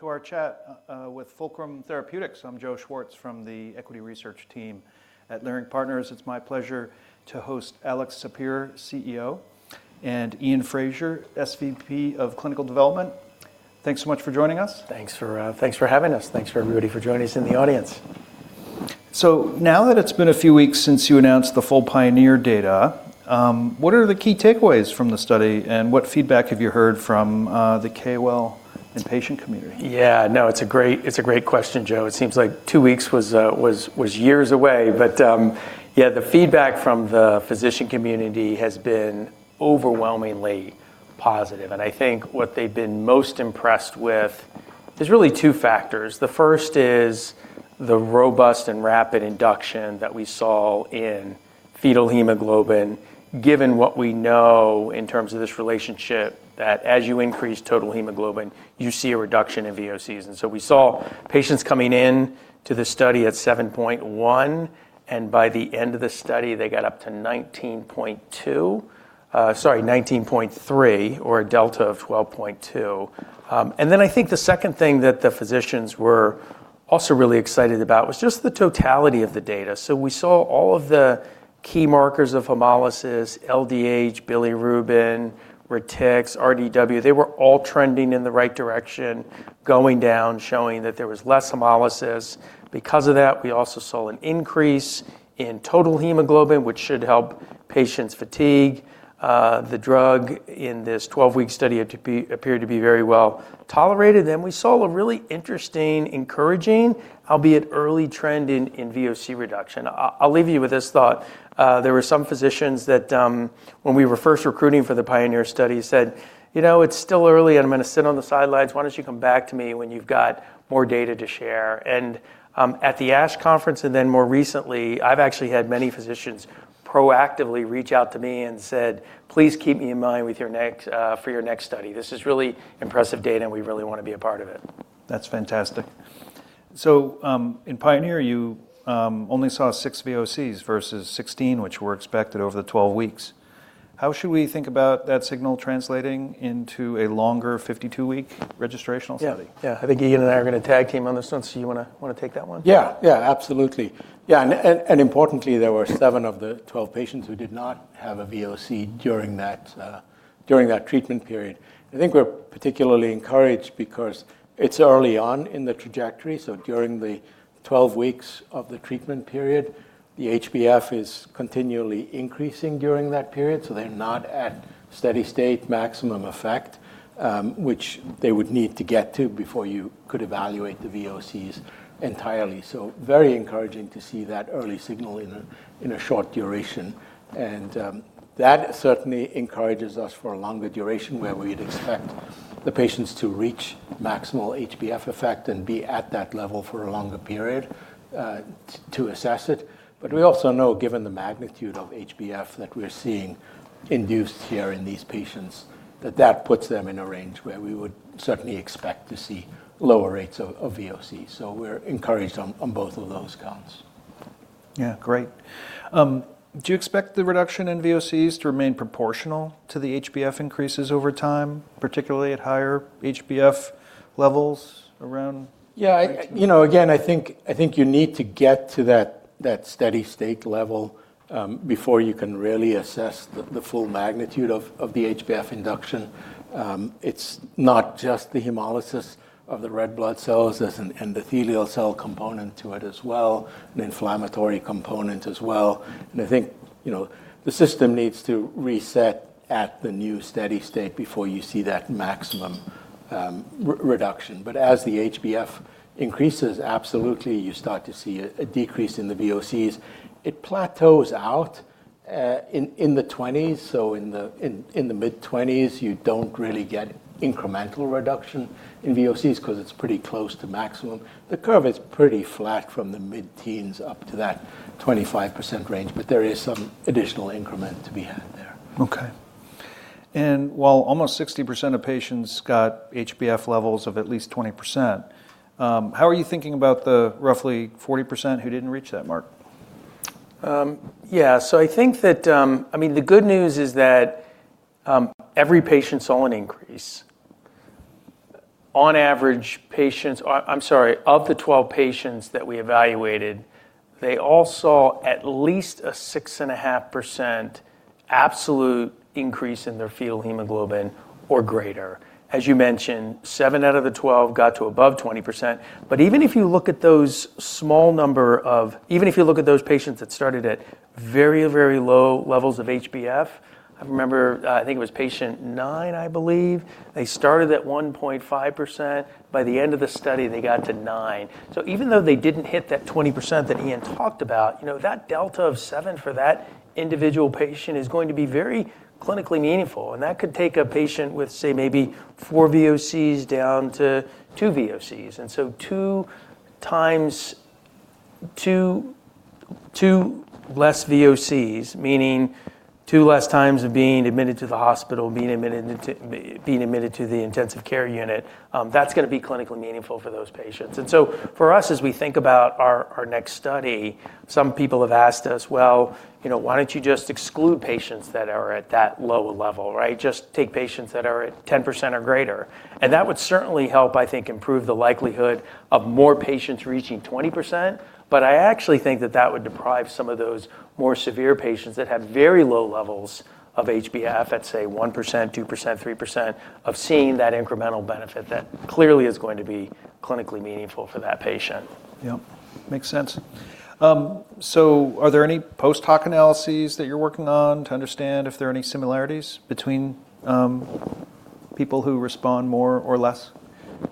To our chat with Fulcrum Therapeutics. I'm Joe Schwartz from the equity research team at Leerink Partners. It's my pleasure to host Alex Sapir, CEO, and Iain Fraser, SVP of Clinical Development. Thanks so much for joining us. Thanks for having us. Thanks for everybody for joining us in the audience. Now that it's been a few weeks since you announced the full PIONEER data, what are the key takeaways from the study, and what feedback have you heard from the KOL and patient community? Yeah, no, it's a great question, Joe. It seems like two weeks was years away. Yeah, the feedback from the physician community has been overwhelmingly positive. I think what they've been most impressed with, there's really two factors. The first is the robust and rapid induction that we saw in fetal hemoglobin, given what we know in terms of this relationship, that as you increase total hemoglobin, you see a reduction in VOCs. We saw patients coming in to the study at 7.1%, and by the end of the study, they got up to 19.2%, sorry, 19.3%, or a delta of 12.2%. I think the second thing that the physicians were also really excited about was just the totality of the data. We saw all of the key markers of hemolysis, LDH, bilirubin, retics, RDW. They were all trending in the right direction, going down, showing that there was less hemolysis. Because of that, we also saw an increase in total hemoglobin, which should help patients' fatigue. The drug in this 12-week study appeared to be very well tolerated. We saw a really interesting, encouraging, albeit early trend in VOC reduction. I'll leave you with this thought. There were some physicians that, when we were first recruiting for the PIONEER study said, "You know, it's still early and I'm gonna sit on the sidelines. Why don't you come back to me when you've got more data to share?" at the ASH conference, and then more recently, I've actually had many physicians proactively reach out to me and said, "Please keep me in mind with your next, for your next study. This is really impressive data, and we really wanna be a part of it. That's fantastic. In PIONEER, you only saw six VOCs versus 16 which were expected over the 12 weeks. How should we think about that signal translating into a longer 52-week registrational study? Yeah. Yeah. I think Iain and I are gonna tag team on this one. You wanna take that one? Yeah. Yeah, absolutely. Yeah, and importantly, there were seven of the 12 patients who did not have a VOC during that treatment period. I think we're particularly encouraged because it's early on in the trajectory, so during the 12 weeks of the treatment period. The HbF is continually increasing during that period, so they're not at steady-state maximum effect, which they would need to get to before you could evaluate the VOCs entirely. Very encouraging to see that early signal in a short duration. That certainly encourages us for a longer duration where we'd expect the patients to reach maximal HbF effect and be at that level for a longer period to assess it. We also know given the magnitude of HbF that we're seeing induced here in these patients, that puts them in a range where we would certainly expect to see lower rates of VOC. We're encouraged on both of those counts. Yeah. Great. Do you expect the reduction in VOCs to remain proportional to the HbF increases over time, particularly at higher HbF levels around? Yeah. You know, again, I think you need to get to that steady state level before you can really assess the full magnitude of the HbF induction. It's not just the hemolysis of the red blood cells. There's an endothelial cell component to it as well, an inflammatory component as well. I think, you know, the system needs to reset at the new steady state before you see that maximum re-reduction. As the HbF increases, absolutely, you start to see a decrease in the VOCs. It plateaus out in the 20s. In the mid-20s you don't really get incremental reduction in VOCs because it's pretty close to maximum. The curve is pretty flat from the mid-teens up to that 25% range, but there is some additional increment to be had there. Okay. While almost 60% of patients got HbF levels of at least 20%, how are you thinking about the roughly 40% who didn't reach that mark? Yeah. I think that, I mean, the good news is that, every patient saw an increase. On average, of the 12 patients that we evaluated, they all saw at least a 6.5% absolute increase in their fetal hemoglobin or greater. As you mentioned, seven out of the 12 got to above 20%. Even if you look at those patients that started at very, very low levels of HbF, I remember, I think it was patient 9, I believe, they started at 1.5%. By the end of the study, they got to 9%. Even though they didn't hit that 20% that Iain talked about, you know, that delta of seven for that individual patient is going to be very clinically meaningful, and that could take a patient with, say, maybe four VOCs down to two VOCs. Two times two less VOCs, meaning- Two less times of being admitted to the hospital, being admitted to the intensive care unit, that's gonna be clinically meaningful for those patients. For us, as we think about our next study, some people have asked us, "Well, you know, why don't you just exclude patients that are at that low level, right? Just take patients that are at 10% or greater." That would certainly help, I think, improve the likelihood of more patients reaching 20%. I actually think that would deprive some of those more severe patients that have very low levels of HbF at, say, 1%, 2%, 3% of seeing that incremental benefit that clearly is going to be clinically meaningful for that patient. Yep. Makes sense. Are there any post hoc analyses that you're working on to understand if there are any similarities between people who respond more or less?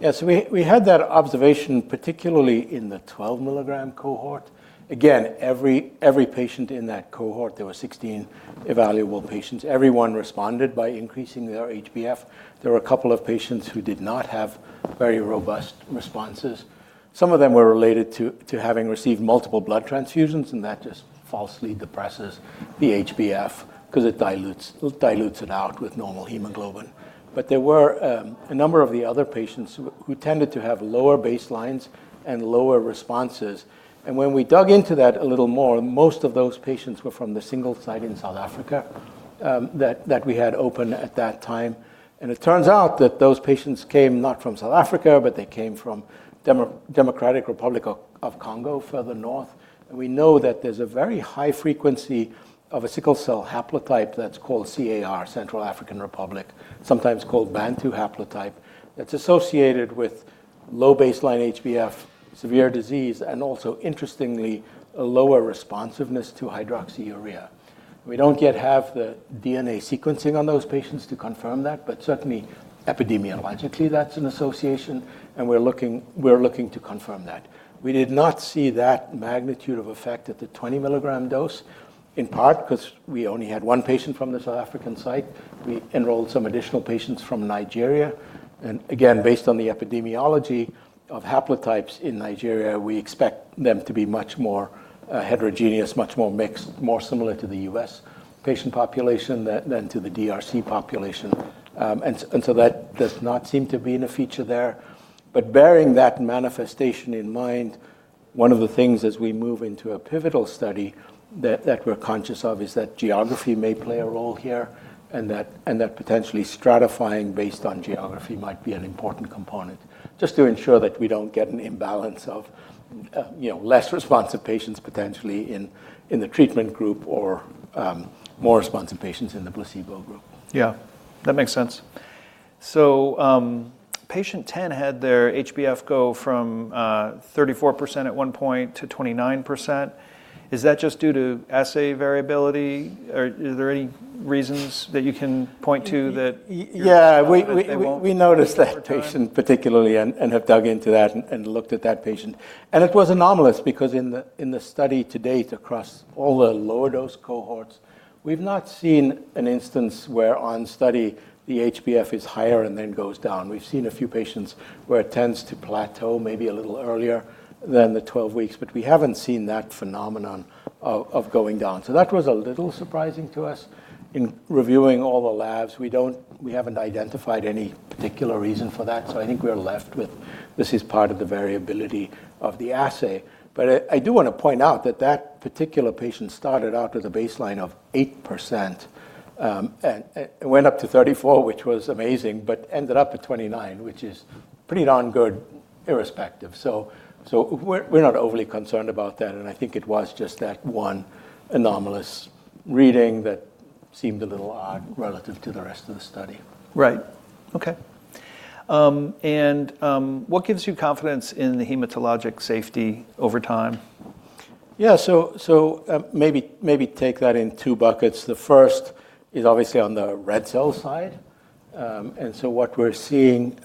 Yeah. We had that observation, particularly in the 12-milligram cohort. Again, every patient in that cohort, there were 16 evaluable patients. Everyone responded by increasing their HbF. There were a couple of patients who did not have very robust responses. Some of them were related to having received multiple blood transfusions, and that just falsely depresses the HbF because it dilutes it out with normal hemoglobin. There were a number of the other patients who tended to have lower baselines and lower responses. When we dug into that a little more, most of those patients were from the single site in South Africa, that we had open at that time. It turns out that those patients came not from South Africa, but they came from Democratic Republic of Congo further north. We know that there's a very high frequency of a sickle cell haplotype that's called CAR, Central African Republic, sometimes called Bantu haplotype, that's associated with low baseline HbF severe disease and also interestingly, a lower responsiveness to hydroxyurea. We don't yet have the DNA sequencing on those patients to confirm that, but certainly epidemiologically, that's an association, and we're looking to confirm that. We did not see that magnitude of effect at the 20-mg dose, in part because we only had 1 patient from the South African site. We enrolled some additional patients from Nigeria. Again, based on the epidemiology of haplotypes in Nigeria, we expect them to be much more heterogeneous, much more mixed, more similar to the US patient population than to the DRC population. That does not seem to be a feature there. Bearing that manifestation in mind, one of the things as we move into a pivotal study that we're conscious of is that geography may play a role here, and that potentially stratifying based on geography might be an important component just to ensure that we don't get an imbalance of, you know, less responsive patients potentially in the treatment group or more responsive patients in the placebo group. Yeah, that makes sense. Patient 10 had their HbF go from 34% at one point to 29%. Is that just due to assay variability, or are there any reasons that you can point to that? Yeah. We noticed that patient particularly and have dug into that and looked at that patient. It was anomalous because in the study to date across all the lower dose cohorts, we've not seen an instance where on study the HbF is higher and then goes down. We've seen a few patients where it tends to plateau maybe a little earlier than the 12 weeks, but we haven't seen that phenomenon of going down. That was a little surprising to us. In reviewing all the labs, we haven't identified any particular reason for that. I think we're left with this is part of the variability of the assay. I do wanna point out that particular patient started out with a baseline of 8%, and it went up to 34%, which was amazing, but ended up at 29%, which is pretty darn good irrespective. We're not overly concerned about that, and I think it was just that one anomalous reading that seemed a little odd relative to the rest of the study. Right. Okay. What gives you confidence in the hematologic safety over time? Yeah. Take that in two buckets. The first is obviously on the red cell side. What we're seeing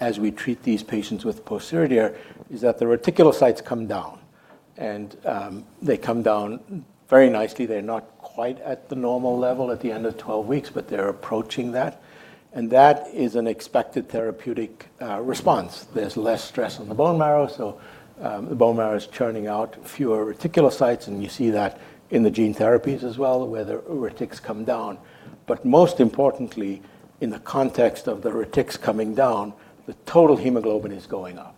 as we treat these patients with Pociredir is that the reticulocytes come down and they come down very nicely. They're not quite at the normal level at the end of 12 weeks, but they're approaching that. That is an expected therapeutic response. There's less stress on the bone marrow, the bone marrow is churning out fewer reticulocytes, and you see that in the gene therapies as well, where the retics come down. Most importantly, in the context of the retics coming down, the total hemoglobin is going up.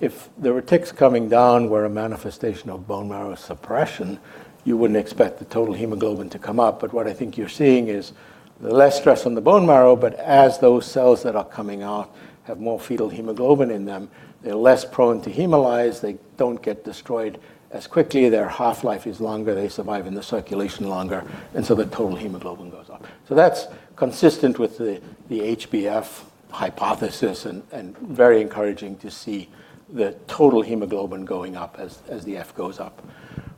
If the retics coming down were a manifestation of bone marrow suppression, you wouldn't expect the total hemoglobin to come up. What I think you're seeing is the less stress on the bone marrow, but as those cells that are coming out have more fetal hemoglobin in them, they're less prone to hemolyze, they don't get destroyed as quickly, their half-life is longer, they survive in the circulation longer, and so the total hemoglobin goes up. That's consistent with the HbF hypothesis and very encouraging to see the total hemoglobin going up as the F goes up.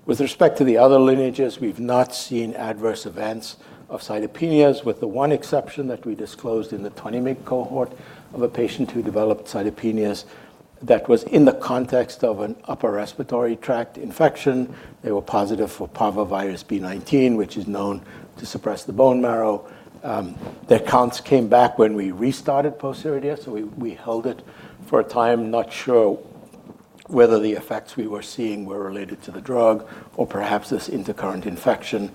With respect to the other lineages, we've not seen adverse events of cytopenias, with the one exception that we disclosed in the 20 mg cohort of a patient who developed cytopenias that was in the context of an upper respiratory tract infection. They were positive for parvovirus B19, which is known to suppress the bone marrow. Their counts came back when we restarted Pociredir, so we held it for a time. Not sure whether the effects we were seeing were related to the drug or perhaps this intercurrent infection,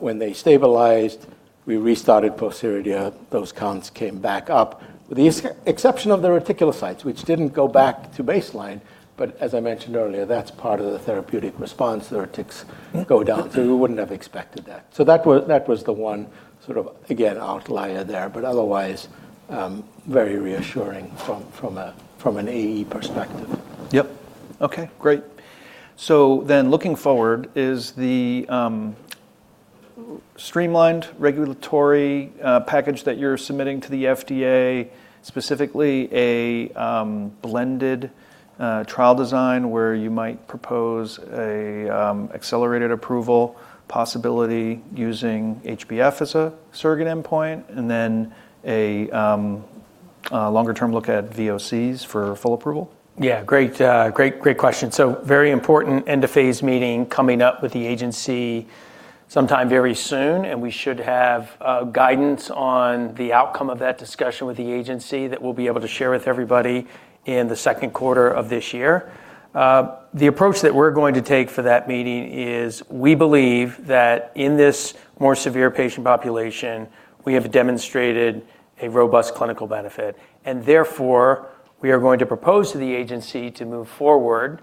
when they stabilized, we restarted Pociredir, those counts came back up. With the exception of the reticulocytes, which didn't go back to baseline, but as I mentioned earlier, that's part of the therapeutic response, the retics go down, so we wouldn't have expected that. That was the one sort of, again, outlier there. Otherwise, very reassuring from an AE perspective. Yep. Okay, great. Looking forward, is the streamlined regulatory package that you're submitting to the FDA specifically a blended trial design where you might propose a accelerated approval possibility using HbF as a surrogate endpoint and then a longer term look at VOCs for full approval? Yeah, great question. Very important end of phase meeting coming up with the agency sometime very soon, and we should have guidance on the outcome of that discussion with the agency that we'll be able to share with everybody in the second quarter of this year. The approach that we're going to take for that meeting is we believe that in this more severe patient population, we have demonstrated a robust clinical benefit, and therefore we are going to propose to the agency to move forward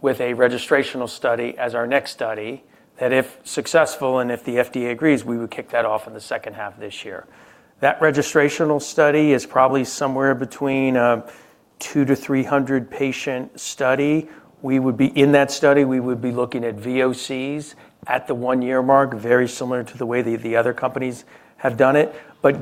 with a registrational study as our next study that if successful, and if the FDA agrees, we would kick that off in the second half of this year. That registrational study is probably somewhere between 200-300 patient study. We would be in that study, we would be looking at VOCs at the one-year mark, very similar to the way the other companies have done it.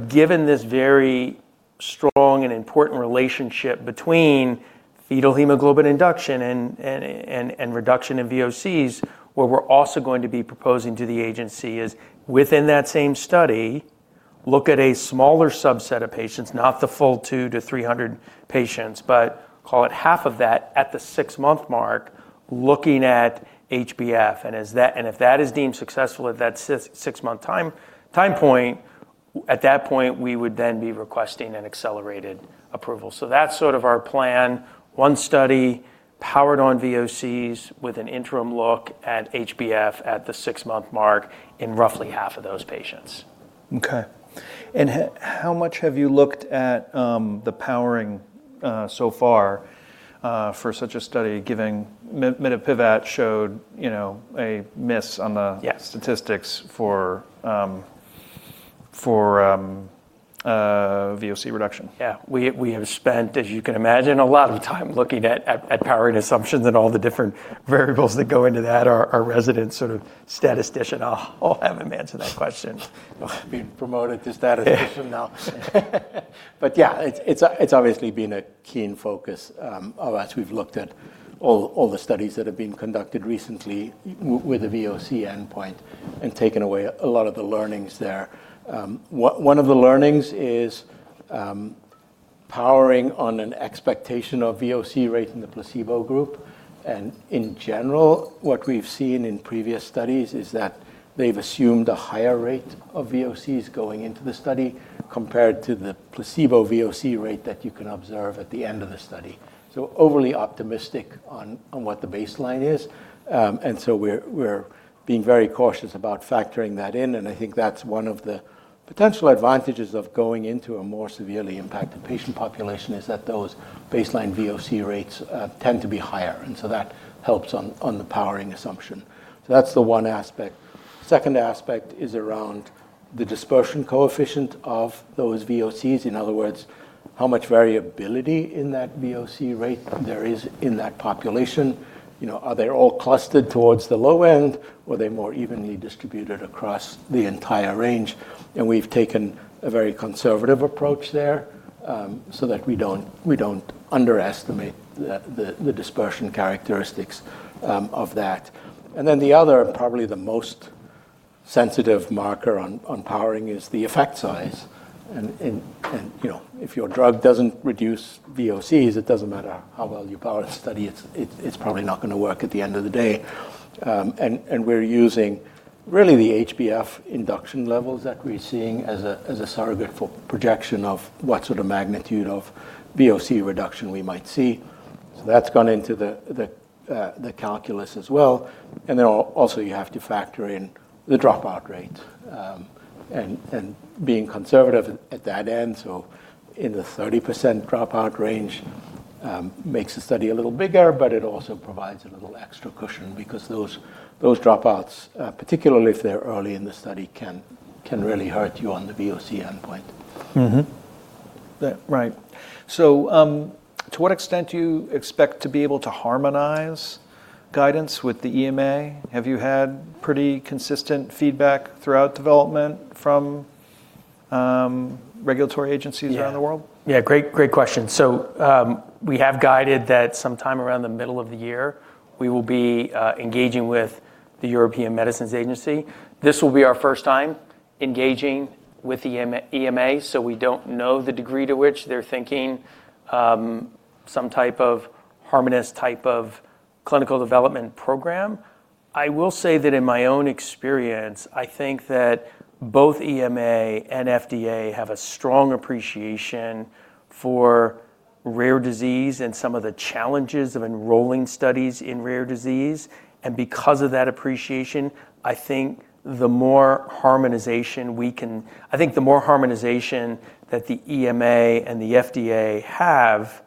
Given this very strong and important relationship between fetal hemoglobin induction and reduction in VOCs, what we're also going to be proposing to the agency is within that same study, look at a smaller subset of patients, not the full 200-300 patients, but call it half of that at the six-month mark looking at HbF. If that is deemed successful at that six-month time point, at that point, we would then be requesting an accelerated approval. That's sort of our plan. One study powered on VOCs with an interim look at HbF at the six-month mark in roughly half of those patients. Okay. How much have you looked at the powering so far for such a study giving Mitapivat showed, you know, a miss on the- Yes statistics for VOC reduction? Yeah. We have spent, as you can imagine, a lot of time looking at powering assumptions and all the different variables that go into that. Our resident sort of statistician, I'll have him answer that question. Being promoted to statistician now. Yeah, it's obviously been a key focus, as we've looked at all the studies that have been conducted recently with a VOC endpoint and taken away a lot of the learnings there. One of the learnings is, powering on an expectation of VOC rate in the placebo group, and in general, what we've seen in previous studies is that they've assumed a higher rate of VOCs going into the study compared to the placebo VOC rate that you can observe at the end of the study, so overly optimistic on what the baseline is. We're being very cautious about factoring that in, and I think that's one of the potential advantages of going into a more severely impacted patient population, is that those baseline VOC rates tend to be higher, and so that helps on the powering assumption. That's the one aspect. Second aspect is around the dispersion coefficient of those VOCs, in other words, how much variability in that VOC rate there is in that population. You know, are they all clustered towards the low end or are they more evenly distributed across the entire range? We've taken a very conservative approach there, so that we don't underestimate the dispersion characteristics of that. Then the other, probably the most sensitive marker on powering is the effect size. You know, if your drug doesn't reduce VOCs, it doesn't matter how well you power the study. It's probably not gonna work at the end of the day. We're using really the HbF induction levels that we're seeing as a surrogate for projection of what sort of magnitude of VOC reduction we might see. That's gone into the calculus as well, and then also you have to factor in the dropout rate, and being conservative at that end, in the 30% dropout range, makes the study a little bigger, but it also provides a little extra cushion because those dropouts, particularly if they're early in the study, can really hurt you on the VOC endpoint. To what extent do you expect to be able to harmonize guidance with the EMA? Have you had pretty consistent feedback throughout development from regulatory agencies around the world? Yeah. Great question. We have guided that sometime around the middle of the year, we will be engaging with the European Medicines Agency. This will be our first time engaging with EMA, so we don't know the degree to which they're thinking some type of harmonious type of clinical development program. I will say that in my own experience, I think that both EMA and FDA have a strong appreciation for rare disease and some of the challenges of enrolling studies in rare disease, and because of that appreciation, I think the more harmonization that the EMA and the FDA have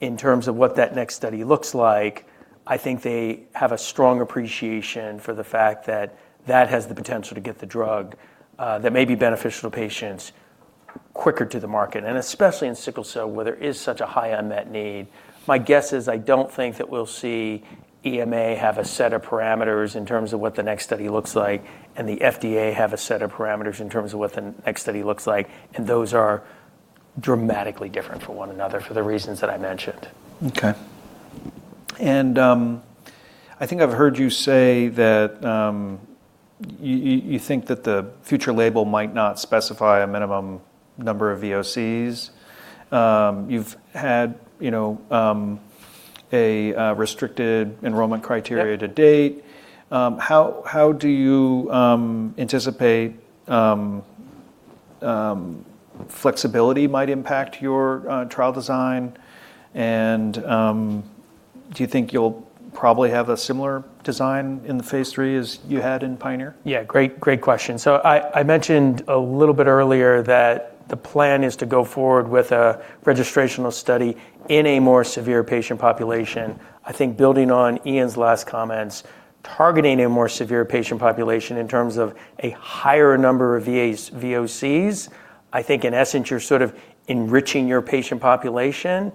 in terms of what that next study looks like. I think they have a strong appreciation for the fact that that has the potential to get the drug that may be beneficial to patients quicker to the market, and especially in sickle cell where there is such a high unmet need. My guess is I don't think that we'll see EMA have a set of parameters in terms of what the next study looks like and the FDA have a set of parameters in terms of what the next study looks like, and those are dramatically different from one another for the reasons that I mentioned. Okay. I think I've heard you say that you think that the future label might not specify a minimum number of VOCs. You've had, you know, a restricted enrollment criteria. Yep To date. How do you anticipate flexibility might impact your trial design? Do you think you'll probably have a similar design in the phase III as you had in PIONEER? Yeah. Great question. I mentioned a little bit earlier that the plan is to go forward with a registrational study in a more severe patient population. I think building on Iain's last comments, targeting a more severe patient population in terms of a higher number of VAs-VOCs, I think in essence you're sort of enriching your patient population,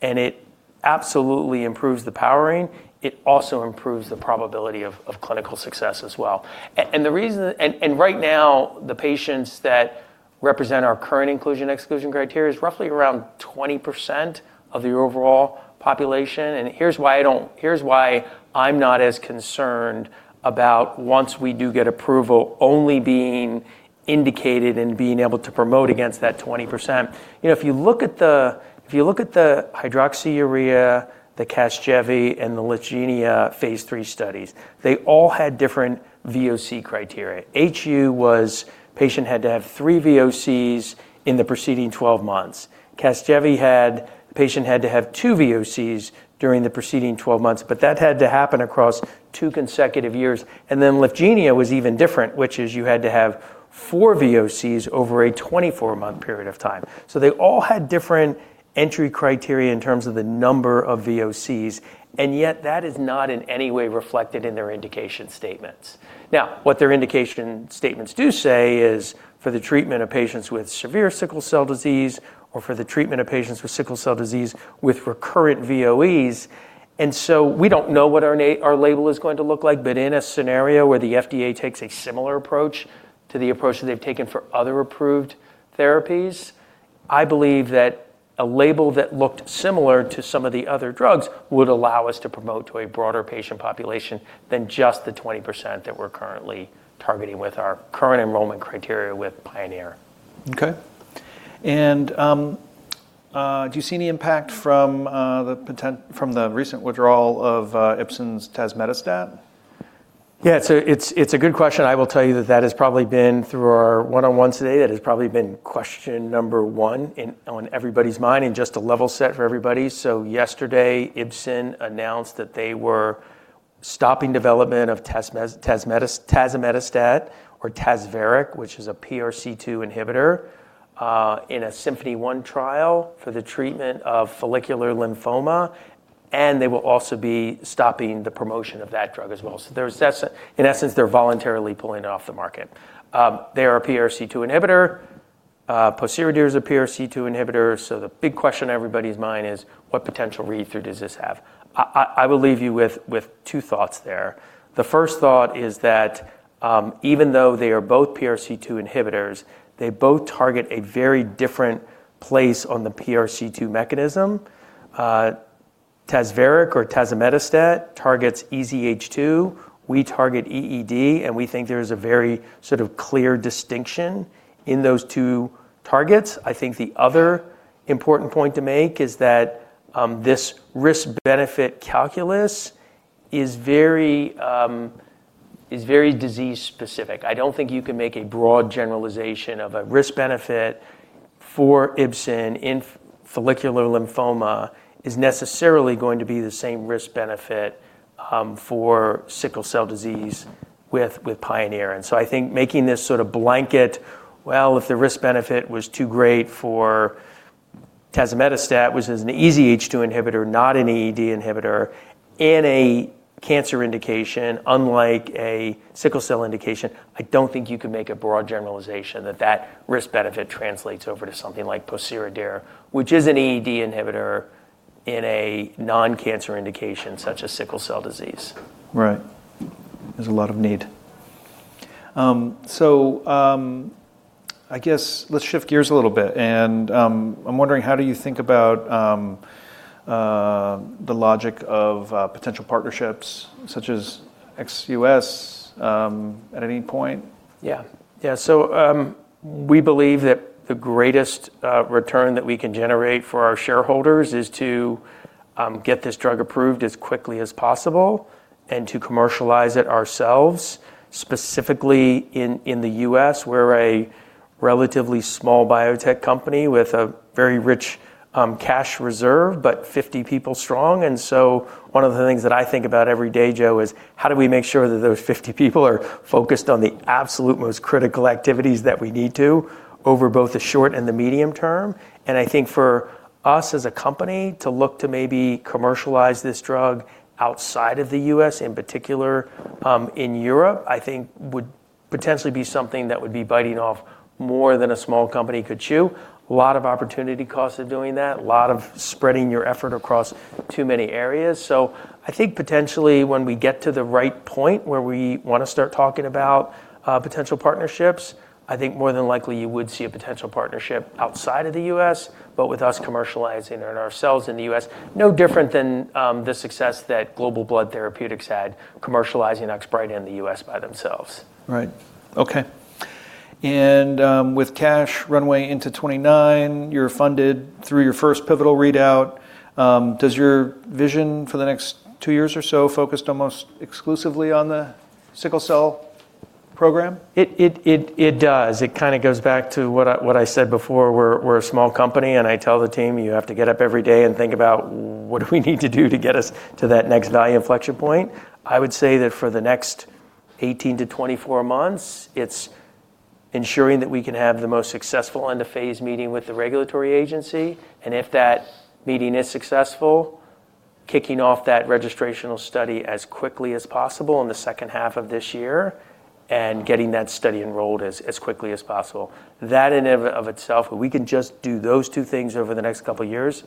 and it absolutely improves the powering. It also improves the probability of clinical success as well. Right now, the patients that represent our current inclusion/exclusion criteria is roughly around 20% of the overall population, and here's why I'm not as concerned about once we do get approval, only being indicated and being able to promote against that 20%. You know, if you look at the hydroxyurea, the Casgevy, and the Lyfgenia phase III studies, they all had different VOC criteria. HU was patient had to have three VOCs in the preceding 12 months. Casgevy had, the patient had to have two VOCs during the preceding 12 months, but that had to happen across two consecutive years. Lyfgenia was even different, which is you had to have four VOCs over a 24-month period of time. They all had different entry criteria in terms of the number of VOCs, and yet that is not in any way reflected in their indication statements. Now, what their indication statements do say is for the treatment of patients with severe sickle cell disease or for the treatment of patients with sickle cell disease with recurrent VOEs, and so we don't know what our our label is going to look like. In a scenario where the FDA takes a similar approach to the approach that they've taken for other approved therapies, I believe that a label that looked similar to some of the other drugs would allow us to promote to a broader patient population than just the 20% that we're currently targeting with our current enrollment criteria with PIONEER. Do you see any impact from the recent withdrawal of Ipsen's tazemetostat? Yeah. It's a good question. I will tell you that has probably been, through our one-on-ones today, question number one on everybody's mind and just to level set for everybody. Yesterday, Ipsen announced that they were stopping development of tazemetostat or Tazverik, which is a PRC2 inhibitor, in a SYMPHONY-1 trial for the treatment of follicular lymphoma, and they will also be stopping the promotion of that drug as well. In essence, they're voluntarily pulling it off the market. They are a PRC2 inhibitor. Pociredir's a PRC2 inhibitor, so the big question on everybody's mind is, what potential read-through does this have? I will leave you with two thoughts there. The first thought is that, even though they are both PRC2 inhibitors, they both target a very different place on the PRC2 mechanism. Tazverik or tazemetostat targets EZH2. We target EED, and we think there's a very sort of clear distinction in those two targets. I think the other important point to make is that, this risk-benefit calculus is very, is very disease specific. I don't think you can make a broad generalization of a risk-benefit for Ipsen in follicular lymphoma is necessarily going to be the same risk-benefit, for sickle cell disease with PIONEER. I think making this sort of blanket, well, if the risk-benefit was too great for tazemetostat, which is an EZH2 inhibitor, not an EED inhibitor, in a cancer indication unlike a sickle cell indication, I don't think you could make a broad generalization that that risk-benefit translates over to something like Pociredir, which is an EED inhibitor in a non-cancer indication such as sickle cell disease. Right. There's a lot of need. I guess let's shift gears a little bit and I'm wondering how do you think about the logic of potential partnerships such as ex-U.S. at any point? Yeah. We believe that the greatest return that we can generate for our shareholders is to get this drug approved as quickly as possible and to commercialize it ourselves, specifically in the U.S. We're a relatively small biotech company with a very rich cash reserve, but 50 people strong. One of the things that I think about every day, Joe, is how do we make sure that those 50 people are focused on the absolute most critical activities that we need to over both the short and the medium term? I think for us as a company to look to maybe commercialize this drug outside of the U.S., in particular, in Europe, I think would potentially be something that would be biting off more than a small company could chew. lot of opportunity costs of doing that, a lot of spreading your effort across too many areas. I think potentially when we get to the right point where we wanna start talking about potential partnerships, I think more than likely you would see a potential partnership outside of the U.S., but with us commercializing it ourselves in the U.S. No different than the success that Global Blood Therapeutics had commercializing Oxbryta in the U.S. by themselves. Right. Okay. With cash runway into 2029, you're funded through your first pivotal readout. Does your vision for the next two years or so focus almost exclusively on the sickle cell program? It does. It kinda goes back to what I said before. We're a small company, and I tell the team, "You have to get up every day and think about what do we need to do to get us to that next value inflection point." I would say that for the next 18-24 months, it's ensuring that we can have the most successful end-of-phase meeting with the regulatory agency, and if that meeting is successful, kicking off that registrational study as quickly as possible in the second half of this year and getting that study enrolled as quickly as possible. That in and of itself, if we can just do those two things over the next couple years,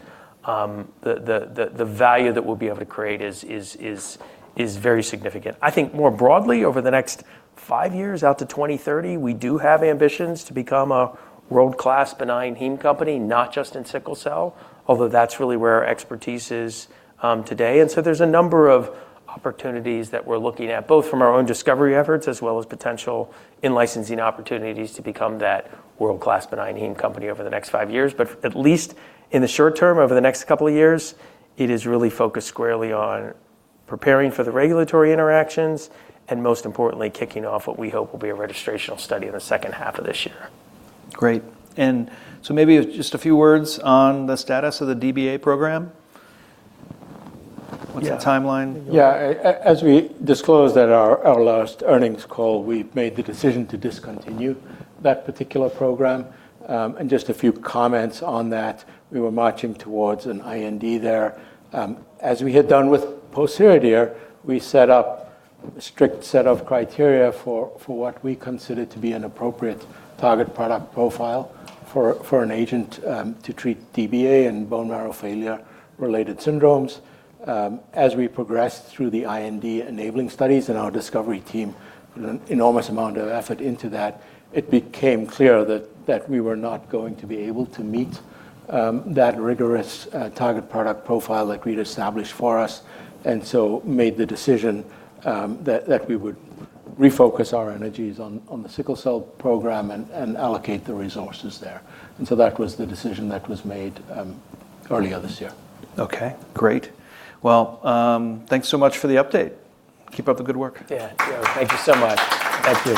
the value that we'll be able to create is very significant. I think more broadly, over the next five years out to 2030, we do have ambitions to become a world-class benign heme company, not just in sickle cell, although that's really where our expertise is, today. There's a number of opportunities that we're looking at, both from our own discovery efforts as well as potential in-licensing opportunities to become that world-class benign heme company over the next five years. At least in the short term, over the next couple of years, it is really focused squarely on preparing for the regulatory interactions and, most importantly, kicking off what we hope will be a registrational study in the second half of this year. Great. Maybe just a few words on the status of the DBA program. Yeah. What's the timeline? Yeah. As we disclosed at our last earnings call, we've made the decision to discontinue that particular program. Just a few comments on that. We were marching towards an IND there. As we had done with Pociredir, we set up a strict set of criteria for what we considered to be an appropriate target product profile for an agent to treat DBA and bone marrow failure-related syndromes. As we progressed through the IND-enabling studies and our discovery team put an enormous amount of effort into that, it became clear that we were not going to be able to meet that rigorous target product profile that we'd established for use, and so made the decision that we would refocus our energies on the sickle cell program and allocate the resources there. That was the decision that was made earlier this year. Okay. Great. Well, thanks so much for the update. Keep up the good work. Yeah. Thank you so much. Thank you.